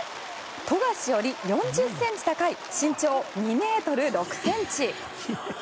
富樫より４０ｃｍ高い身長２ｍ６ｃｍ。